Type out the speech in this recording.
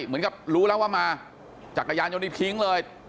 เหมือนกับรู้แล้วว่ามาจักรยานยนต์นี้ทิ้งเลย